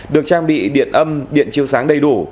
được trang bị điện âm điện chiêu sáng đầy đủ